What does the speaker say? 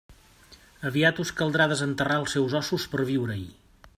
Aviat us caldrà desenterrar els seus ossos per a viure-hi.